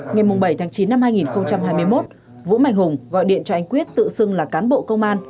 ngày bảy chín hai nghìn hai mươi một vũ mạnh hùng gọi điện cho anh quyết tự xưng là cán bộ công an